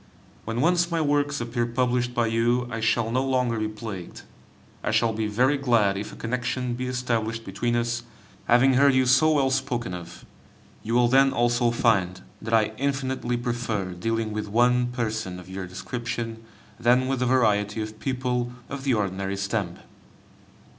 When once my works appear published by you, I shall no longer be plagued. I shall be very glad if a connection be established between us, having heard you so well spoken of. You will then also find that I infinitely prefer dealing with one person of your description than with a variety of people of the ordinary stamp.